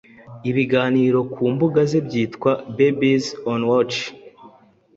ibiganiro kumbuga ze byitwa ‘Babies on Watch’